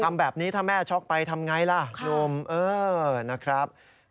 ทำแบบนี้ถ้าแม่ช็อกไปทำไงล่ะหนุ่มเออนะครับ